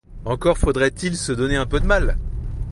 Encore faudrait-il se donner un peu de mal.